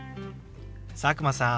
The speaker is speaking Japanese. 佐久間さん